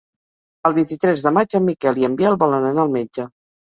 El vint-i-tres de maig en Miquel i en Biel volen anar al metge.